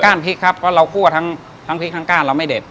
อันนี้จะเป็นก้านครับ